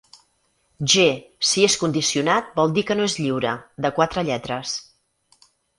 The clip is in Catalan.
G Si és condicionat vol dir que no és lliure, de quatre lletres.